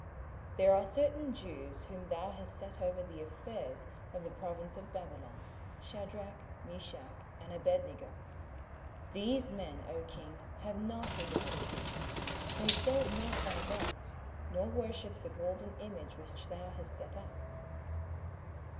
27:003:012 There are certain Jews whom thou hast set over the affairs of the province of Babylon, Shadrach, Meshach, and Abednego; these men, O king, have not regarded thee: they serve not thy gods, nor worship the golden image which thou hast set up.